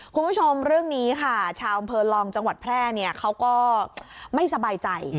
คุณผู้ชมเรื่องนี้ค่ะชาวอำเภอลองจังหวัดแพร่เขาก็ไม่สบายใจ